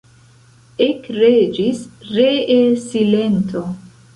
Ekreĝis ree silento.